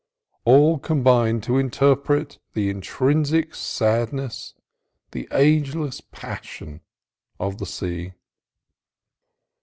All combined to interpret the intrinsic sadness, the ageless passion, of the sea.